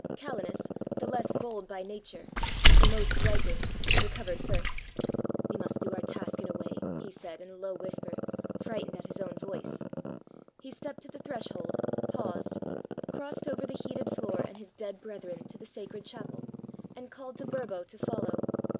Calenus, the less bold by nature, but the most griping, recovered first. "We must do our task, and away!" he said, in a low whisper, frightened at his own voice. He stepped to the threshold, paused, crossed over the heated floor and his dead brethren to the sacred chapel, and called to Burbo to follow.